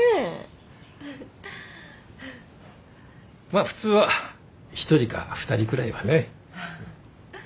まあ普通は１人か２人くらいはね。